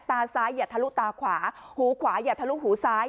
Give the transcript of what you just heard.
ตาซ้ายอย่าทะลุตาขวาหูขวาอย่าทะลุหูซ้าย